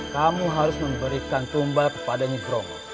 kamu harus memberikan tumbal kepada nyebromo